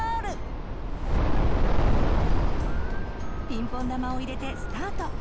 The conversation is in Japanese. ピンポン球を入れてスタート！